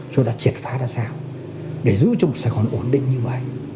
chúng ta triệt phá ra sao để giữ chung sài gòn ổn định như vậy